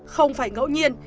không phải ngẫu nhiên